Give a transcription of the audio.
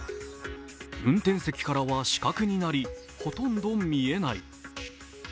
運転席からは死角になり、ほとんど見えない。